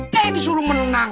kayak disuruh menang